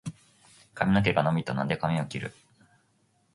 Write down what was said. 髪の毛が伸びたので、髪を切る。